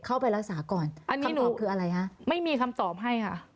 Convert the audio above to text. เข้าไปรักษาก่อนอันนี้คืออะไรฮะไม่มีคำตอบให้ค่ะ